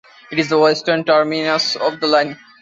It is the western terminus of the line.